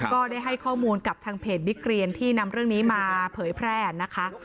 ก็ได้ให้ข้อมูลกับทางเพจบิ๊กเรียนที่นำเรื่องนี้มาเผยแพร่นะคะ